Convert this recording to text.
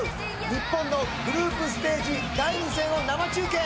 日本のグループステージ第２戦を生中継。